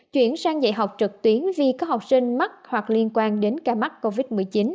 chuyển sang dạy học trực tuyến vì có học sinh mắc hoặc liên quan đến ca mắc covid một mươi chín